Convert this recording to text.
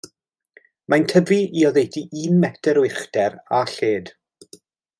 Mae'n tyfu i oddeutu un metr o uchder a lled.